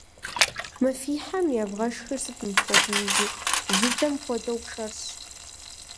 Мы фи хьэм евгъэшхыр сыт мыпхуэдизу? Дзыдзэм хуэдэу пшэрщ.